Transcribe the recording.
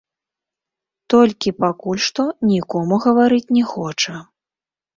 Толькі пакуль што нікому гаварыць не хоча.